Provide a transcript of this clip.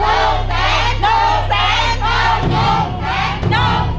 หนูแสน